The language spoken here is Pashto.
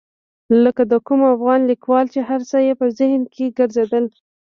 لکه د کوم افغان لیکوال چې هر څه یې په ذهن کې ګرځېدل.